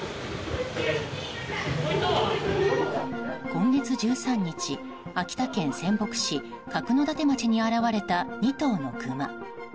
今月１３日秋田県仙北市角館町に現れた２頭のクマ。